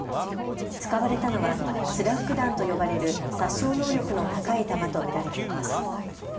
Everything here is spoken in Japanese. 使われたのはスラッグ弾と呼ばれる殺傷能力の高い弾と見られています。